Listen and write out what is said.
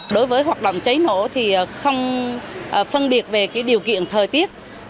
đối với hoạt động cháy nổ thì không phân biệt về điều kiện thời tiết